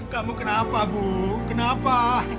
kamu kenapa bu kenapa